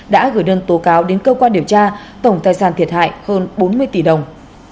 đã gửi đơn tố cáo đến cơ quan điều tra tổng tài sản thiệt hại hơn bốn mươi tỷ đồng